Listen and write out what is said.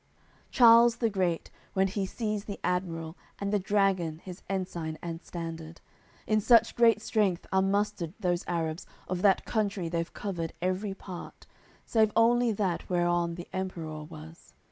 AOI. CCXXXIX Charles the Great, when he sees the admiral And the dragon, his ensign and standard; (In such great strength are mustered those Arabs Of that country they've covered every part Save only that whereon the Emperour was.)